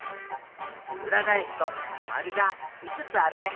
うらがえすとまるがいつつあるね。